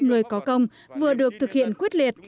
người có công vừa được thực hiện quyết liệt